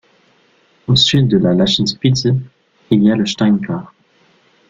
Au sud de la Lachenspitze, il y a le Steinkar.